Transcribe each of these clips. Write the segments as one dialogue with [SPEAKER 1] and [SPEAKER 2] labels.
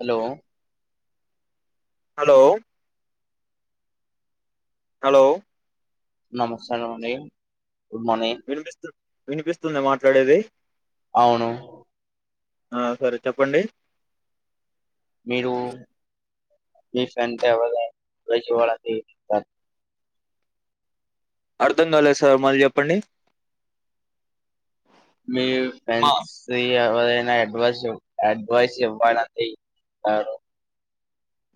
[SPEAKER 1] Hello
[SPEAKER 2] hello hello
[SPEAKER 1] నమస్కారం అండి good morning
[SPEAKER 2] వినిపిస్తు వినిపిస్తుంద మాట్లాడేది
[SPEAKER 1] అవును
[SPEAKER 2] ఆ సరే చెప్పండి
[SPEAKER 1] మీరు రీసెంట్ టవల బెజవాడ కి
[SPEAKER 2] అర్దం కాలేదు సార్ మళ్ళీ చెప్పండి
[SPEAKER 1] మీ
[SPEAKER 2] మా
[SPEAKER 1] ఫ్రెండ్సు ఎవరైనా డ్డ్వాస్ అడ్వైస్ ఇవ్వనండి నాను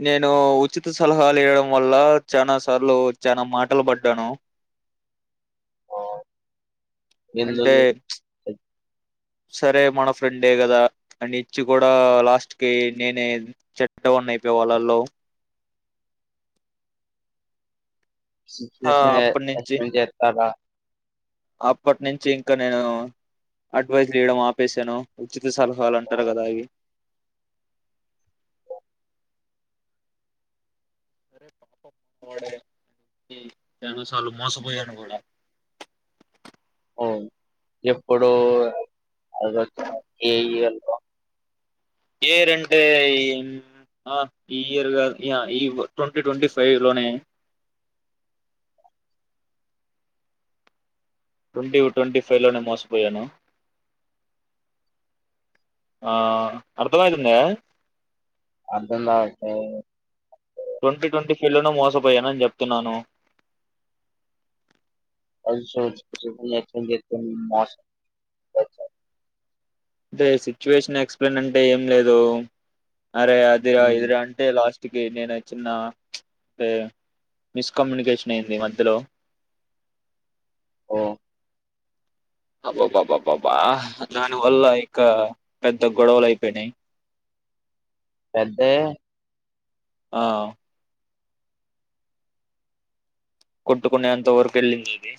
[SPEAKER 2] నేను ఉచిత సలహాలు ఇయడం వల్ల చనా సార్లు చానా మాటలు పడ్డాను అంటే
[SPEAKER 1] ఎందుగు
[SPEAKER 2] సరే మన ఫ్రెండే కదా అని ఇచ్చి కూడా లాస్ట్ కి నేనే చెడ్డ వోన్ని అయిపో వాళ్ళలో ఆ అప్పటి నుంచి
[SPEAKER 1] [unintelligible]
[SPEAKER 2] అప్పటి నుంచి ఇంకా నేను అడ్వైజ్ లు ఇయడం ఆపేశాను ఉచిత సలహాలు అంటారు కదా అవి సరే పాపంవాడు ఈ చాలు మోసపోయాను గూడా
[SPEAKER 1] అవును ఎప్పుడు ఆగస్ట్ లో కేవియల్ లో
[SPEAKER 2] ఏ ఇయర్ అంటే ఈ ఆ ఇయర్ గాద్ ట్వంటీ ట్వంటీ ఫైవ్ లోనే ట్వంటీ ట్వంటీ ఫైవ్ లోనే మోసపోయాను ఆ అర్దమైతుంద
[SPEAKER 1] అర్దం గావట్లేదు
[SPEAKER 2] ట్వంటీ ట్వంటీ ఫీల్డ్ను లోనే మోసపోయానని చెప్తున్నాను
[SPEAKER 1] [unintelligible]
[SPEAKER 2] అంటే సిచ్యువేషన్ ఎక్స్ప్లెయిన్ అంటే ఏం లేదు అరే అది
[SPEAKER 1] ఉమ్,
[SPEAKER 2] ఇదరా అంటే లాస్ట్ కి నేను చిన్న మిస్ కమ్యూనికేషన్ అయింది మధ్యలో
[SPEAKER 1] ఓ
[SPEAKER 2] అబ్బబ్ బ్బ బ్బ బ్బ దాని వల్ల ఇంకా పెద్ద గొడవలు అయిపోయినాయి
[SPEAKER 1] పెద్దవ
[SPEAKER 2] ఆ కొట్టుకునే అంత వరకు ఎళ్ళింది ఇది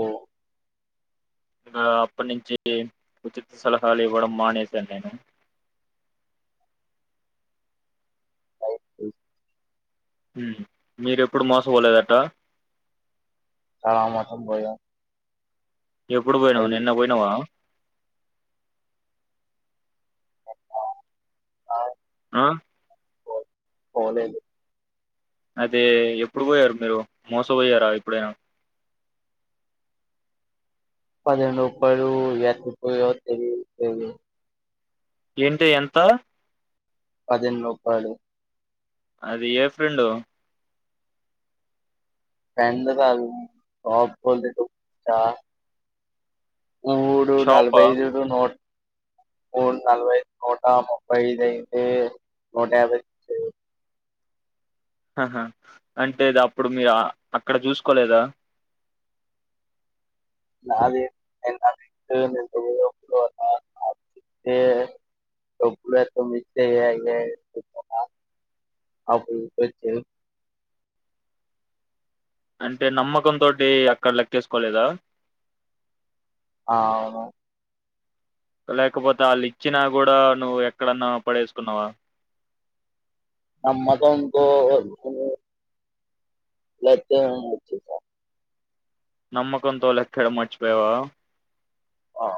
[SPEAKER 1] ఓ
[SPEAKER 2] ఇంగా అప్పటినుంచి ఉచిత సలహాలు ఇవ్వడం మానేశాను నేను మీరు ఎప్పుడు మోసపోలేదా అట్లా
[SPEAKER 1] చాలా మోసపోయాం
[SPEAKER 2] ఎప్పుడు పోయినావు నిన్న పోయినావా ఆ
[SPEAKER 1] పో పోలేదు
[SPEAKER 2] అదే ఎప్పుడు పోయారు మీరు మోసపోయారా ఎప్పుడైనా
[SPEAKER 1] [inaudible]
[SPEAKER 2] ఏంటి ఎంత
[SPEAKER 1] పదిహేను రూపాయలు
[SPEAKER 2] అది ఏ ఫ్రెండు
[SPEAKER 1] [inaudible] మూడు
[SPEAKER 2] షాపా
[SPEAKER 1] నలభైదు నో మూడు నలభై నూట ముప్పై ఐదుఐతే నూట యబై
[SPEAKER 2] ఆహా అంటే ఇది అప్పుడు మీరు అక్కడ చూసుకోలేదా
[SPEAKER 1] [inaudible]
[SPEAKER 2] అంటే నమ్మకం తోటి అక్కడ లెక్కేసుకోలేదా
[SPEAKER 1] ఆ అవును
[SPEAKER 2] లేకపోతే వాళ్ళు ఇచ్చినా కూడా నువ్వు ఎక్కడన్నా పడేసుకున్నావా
[SPEAKER 1] ఆ నమ్మకంతో లెక్కేయకుండా వచ్చేసా
[SPEAKER 2] నమ్మకంతో లెక్కేయడం మర్చిపోయావా
[SPEAKER 1] ఆ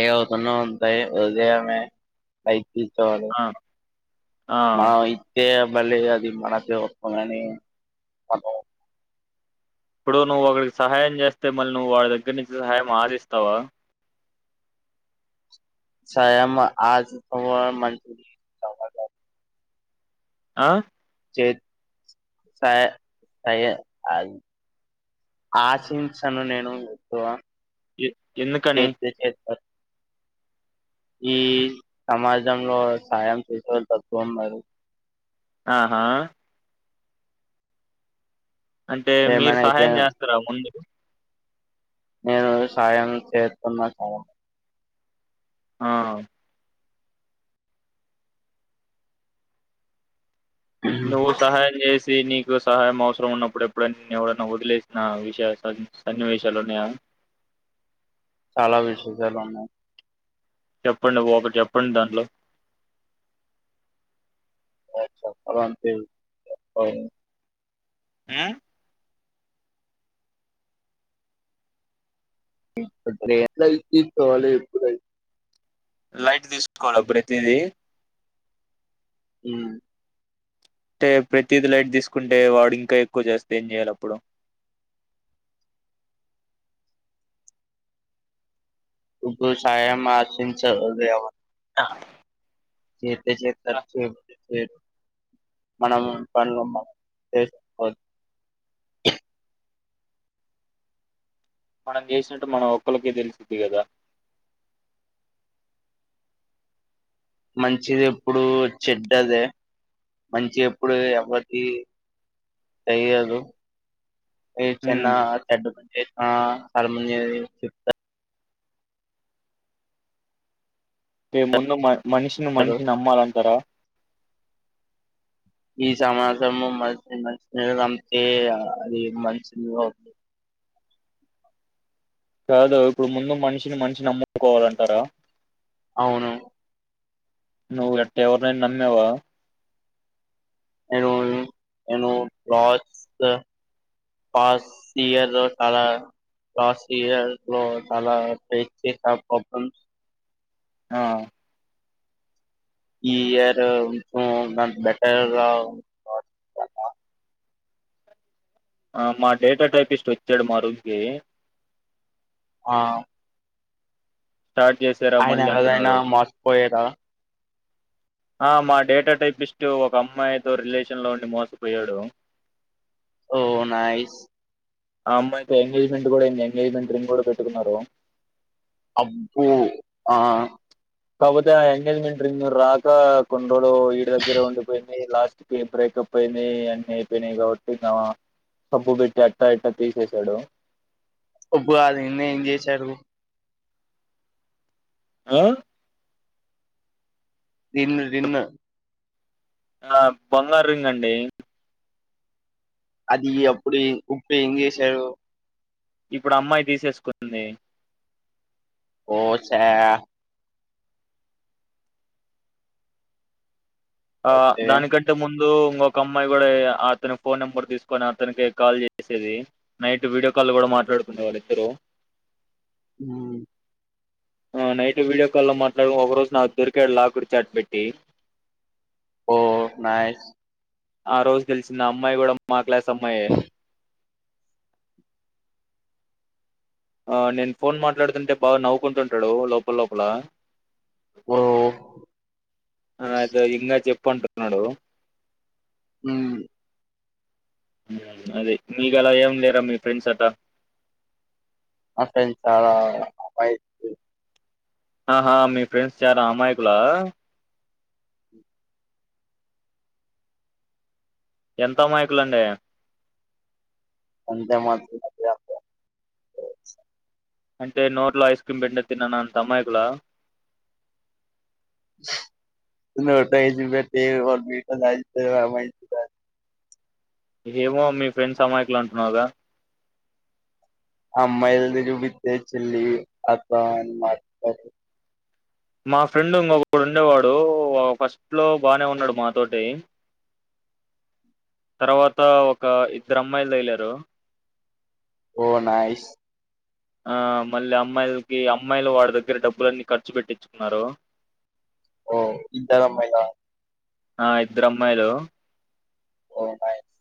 [SPEAKER 1] ఏతున్నా [unintelligible] లైక్
[SPEAKER 2] ఆ ఆ
[SPEAKER 1] మా అయితే మళ్ళీ అది మనసు ఒప్పగాని మనం
[SPEAKER 2] ఇప్పుడు నువ్వు ఒకడికి సహాయం చేస్తే మళ్ళీ నువ్వు వాళ్ దగ్గర నుంచి సహాయం ఆశిస్తావా
[SPEAKER 1] సయంమ ఆజు [unintelligible]
[SPEAKER 2] ఆ
[SPEAKER 1] చే స స ఆశిసను నేను చె
[SPEAKER 2] ఎ ఎందుకని
[SPEAKER 1] ఈ సమాజంలో సాయం చేసేవాళ్లు తక్కువ ఉన్నారు
[SPEAKER 2] ఆహా అంటే మీరు
[SPEAKER 1] ఏమైనా అయితే
[SPEAKER 2] సహాయం చేస్తారా ముందు
[SPEAKER 1] నేను సాయం చేస్తున్నా సాయం
[SPEAKER 2] ఆ నూతనచేసి నీకు సహాయం అవసరం ఉన్నప్పుడు ఎప్పుడన ఎవన్నా వదిలేసిన విషయ సన్నివేశాలునయ
[SPEAKER 1] చాలా విశేషాలు ఉన్నాయి
[SPEAKER 2] చెప్పండి ఒకటి చెప్పండి దాంట్లో
[SPEAKER 1] [inaudible]
[SPEAKER 2] ఆ
[SPEAKER 1] ఇప్పుడేం లేదు తీసుకోవాలి ఇప్పుడు
[SPEAKER 2] లైట్ తీసుకోవాలి ప్రతిది
[SPEAKER 1] ఆ
[SPEAKER 2] అంటే ప్రతిదిీ లైట్ తీసుకుంటే వాడు ఇంకా ఎక్కువ చేస్తే ఏం చేయాలి అప్పుడు
[SPEAKER 1] ఉ సాయం మా ఆసించ
[SPEAKER 2] ఆ,
[SPEAKER 1] తీసేటట్టు మనం పదు [inaudible]
[SPEAKER 2] మనం చేసినట్టు మనం ఒక్కలక్ తెలుసిది కదా
[SPEAKER 1] మంచిది ఎప్పుడు చెడ్డదే మంచి ఎప్పుడు ఎవటి తెయదు ఏ చిన్నా
[SPEAKER 2] ఉమ్,
[SPEAKER 1] తాడు ఆ సార్మని చెప్
[SPEAKER 2] ఇ ముందు మా మనిషిని మనిషిని నమ్మాలంటారా
[SPEAKER 1] ఈ సమాజము మంచి మంచి అమ్తే అది మంచినీ
[SPEAKER 2] కాదు ఇప్పుడు ముందు మనిషిని మనిషి నమ్ముకోవాలంటారా
[SPEAKER 1] అవును
[SPEAKER 2] నువ్ ఎట్ట ఎవరినైనా నమ్మవా
[SPEAKER 1] నేను లాస్ట్ లాస్ట్ ఇయర్ లో చాలా
[SPEAKER 2] ఆ
[SPEAKER 1] ఈ ఇయర్ నాకు బెటర్గా
[SPEAKER 2] ఆ మా డేటా టైపిస్ట్ వచ్చాడు మా రూంకి
[SPEAKER 1] ఆ
[SPEAKER 2] స్టార్ట్ చేశారా
[SPEAKER 1] అయినా
[SPEAKER 2] మళ్ళీ
[SPEAKER 1] కద అయినా
[SPEAKER 2] అంటున్నాడు
[SPEAKER 1] మర్చిపోయార
[SPEAKER 2] ఆ మా డేటా టైపిస్ట్ ఒక అమ్మాయితో రిలేషన్ లో ఉండి మోసపోయాడు.
[SPEAKER 1] ఓ నైస్
[SPEAKER 2] ఆ అమ్మాయితో ఎంగేజ్మెంట్ కూడా అంది ఎంగేజ్మెంట్ రింగ్ కూడా పెట్టుకున్నాడు.
[SPEAKER 1] అబ్బో ఆ
[SPEAKER 2] కాకపోతే ఆ ఎంగేజ్మెంట్ రింగ్ రాక కోన్ చూడు వీడి దగ్గరే ఉండిపోయింది లాస్ట్ విని బ్రేకప్ అయింది అన్ని అయిపోయినాయి కాబట్టి సబ్బు పెట్టి అట్టా ఇట్టా తీసేసాడు
[SPEAKER 1] ఉప్పు కాదు నిన్న ఏం చేసారు.
[SPEAKER 2] అ
[SPEAKER 1] రీన్ రీన్
[SPEAKER 2] ఆ బంగార్రింగ్ అండి.
[SPEAKER 1] అది అప్పుడు ఇప్పుడు ఏం చేశాడు
[SPEAKER 2] ఇప్పుడు అమ్మాయి తీసేసుకుంటుంది.
[SPEAKER 1] ఓ చా
[SPEAKER 2] ఆ
[SPEAKER 1] ఓకే
[SPEAKER 2] దానికంటే ముంద్ దు ఇంకొక అమ్మాయి కూడా అతని ఫోన్ నెంబర్ తీసుకొని అతనికి కాల్ చేసేది నైట్ వీడియో కాల్ కూడా మాట్లాడుకునేవారు వాళ్ళిద్దరు
[SPEAKER 1] ఉమ్
[SPEAKER 2] ఆ నైట్ వీడియో కాల్ లో మాట్లాడుకుంటూ ఒక రోజు నాకు దొరికాడు లాకుడు చాట్ పెట్టి
[SPEAKER 1] ఓ నైస్
[SPEAKER 2] ఆ రోజు తేలిసింది ఆ అమ్మాయి కూడా మా క్లాస్ అమ్మాయే ఆ నేను ఫోన్ మాట్లాడుతుంటే బాగా నవ్వుకుంటుంటాడు లోపల లోపల
[SPEAKER 1] ఓ
[SPEAKER 2] ఆ అదో ఇందాక చెప్ పంటున్నాడు
[SPEAKER 1] ఉమ్
[SPEAKER 2] మ్మ్ అది మీకలా ఏం లేరా మీ ఫ్రెండ్స్ అట
[SPEAKER 1] అసలు ఆ ఆ అయ్
[SPEAKER 2] ఆహా మీ ఫ్రెండ్స్ చాలా అమాయకులా ఎంత అమాయకులండి
[SPEAKER 1] అంత మాత్రమే కాదు
[SPEAKER 2] అంటే నోట్లో ఐస్ క్రీమ్ బెటినా తిననంత అమాయకులా
[SPEAKER 1] నోట్లో ఏసి బెట్టి తిననంత అమాయకులా
[SPEAKER 2] ఏమో మీ ఫ్రెండ్స్ అమాయకులు అంటున్నావు గా
[SPEAKER 1] అమ్మాయిలను చూపిత్తే చెల్లి అక్క అని మాట్లాడే
[SPEAKER 2] మా ఫ్రెండ్ ఇంకొకడు ఉండేవాడు ఉ ఫస్ట్ లో బానే ఉన్నాడు మా తోటి తర్వాత ఒక ఇద్దరు అమ్మాయిలు తగిలారు.
[SPEAKER 1] ఒ నైస్
[SPEAKER 2] ఆ మళ్ళీ అమ్మాయిలకి అమ్మాయిలు వాడి దగ్గర డబ్బులన్ని ఖర్చు పెట్టించుకున్నారు.
[SPEAKER 1] ఓ ఇద్దరమ్మాయిలా
[SPEAKER 2] ఆ ఇద్దరమ్మాయిలు
[SPEAKER 1] ఓ నైస్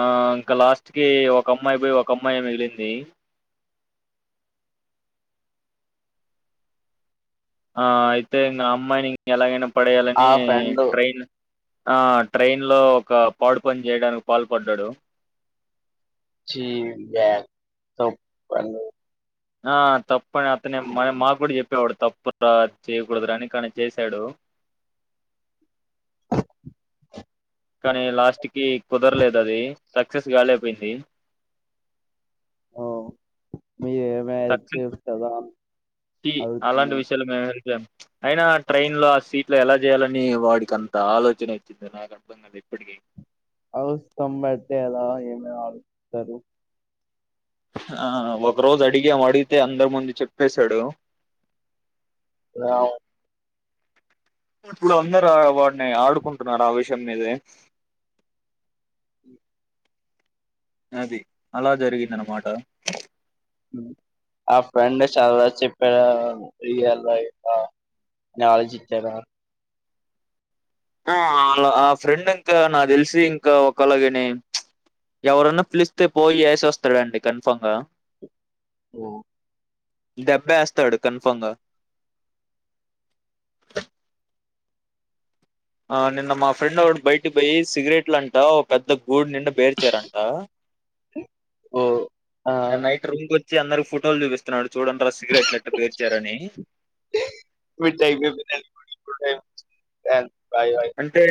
[SPEAKER 2] ఆ ఇంక లాస్ట్ కి ఒక అమ్మాయి పోయి ఒక అమ్మాయి మిగిలింది. ఆ అయితే ఇంగ ఆ అమ్మాయిని ఇంక ఎలాగైనా
[SPEAKER 1] ఆ
[SPEAKER 2] పడేయాలని
[SPEAKER 1] ఫ్రెండ్
[SPEAKER 2] ట్రైన్ ఆ ట్రైన్ లో ఒక పాడు పని చేయడానికి పాల్పడ్డాడు.
[SPEAKER 1] చి యాక్ తప్పు పనులు
[SPEAKER 2] ఆ తప్పని అతనే మా మాకు చెప్పేవాడు తప్పు దా చేయకూడదు రా అని కానీ చేసాడు.
[SPEAKER 1] [inaudible]
[SPEAKER 2] లాస్ట్ కి కుదరలేదు అది సక్సెస్ కాలేకపోయింది
[SPEAKER 1] ఓ మీకేమన్నా
[SPEAKER 2] సక్సెస్
[SPEAKER 1] తెలుస్తదా
[SPEAKER 2] ఛీ అలాంటి విషయాలు మేము చెయ్యం అయినా ట్రైన్ లో ఆ సీట్ లో ఎలా చేయాలని వాడికి అంత ఆలోచన వచ్చిందో నాకు అర్థం కాదు ఇప్పటికీ
[SPEAKER 1] అవసరం బట్టే ఆ ఈ తడ బడుతారు
[SPEAKER 2] ఆ ఒక రోజు అడిగాం అడిగితే అందరి ముందు చెప్పేశాడు
[SPEAKER 1] వావ్
[SPEAKER 2] ఇప్పుడు అందరు వాడిని ఆడుకుంటున్నారు ఆ విషయం మీదే అది అలా జరిగిందన్న మాట
[SPEAKER 1] ఆ ఫ్రెండ్ చాలా చెప్పారు రియల్ లైఫ్ రా ఆలోచించారా
[SPEAKER 2] మ్ అలా ఆ ఫ్రెండ్ ఇంకా నాకు తెలిసి ఇంకా ఒకళది విని ప్చ్ ఎవరన్నా పిలిస్తే పోయి ఏసి వస్తాడండి కన్ఫామ్ గా
[SPEAKER 1] హ్హ్
[SPEAKER 2] దెబ్బాస్తాడు కన్ఫామ్ గా ఆ నిన్న మా ఫ్రెండ్ ఒకడు బయటకి పోయి సిగరెట్లు అంటా పెద్ద ఊరి నిండా బెల్చారంట ఆ
[SPEAKER 1] ఓ ఆ
[SPEAKER 2] నిన్న నైట్ రూమ్ కీ అందరికి ఫోటోలు చూపిస్తున్నాడు చూడండిరా సిగరెట్లు ఎట్లా పేర్చారని
[SPEAKER 1] యా న్ ఛాయ్ బోయ్
[SPEAKER 2] అంటే